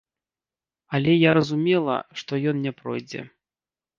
Але я разумела, што ён не пройдзе.